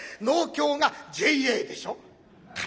農協がＪＡでしょ。